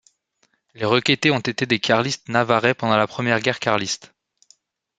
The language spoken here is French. Les Requetés ont été des carlistes navarrais pendant la Première Guerre Carliste.